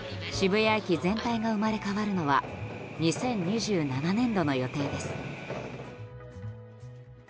谷駅全体が生まれ変わるのは２０２７年度の予定です。